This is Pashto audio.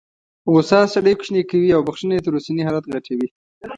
غوسه سړی کوچنی کوي او بخښنه یې تر اوسني حالت غټوي.